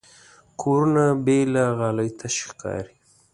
کورونه بې له غالۍ تش ښکاري.